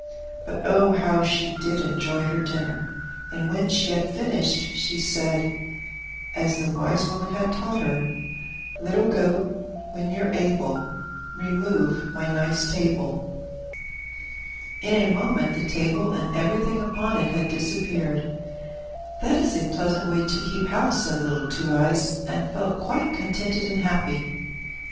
But oh, how she did enjoy her dinner! and when she had finished, she said, as the wise woman had taught her: "Little goat, when you're able, Remove my nice table." In a moment, the table and everything upon it had disappeared. "That is a pleasant way to keep house," said little Two Eyes, and felt quite contented and happy.